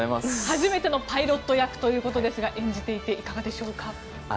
初めてのパイロット役ということですが演じていていかがでしょうか？